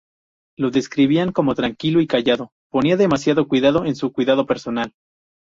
Lo describían como tranquilo y callado, ponía demasiado cuidado en su cuidado personal.